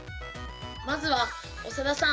まずは長田さん。